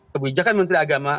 kebijakan menteri agama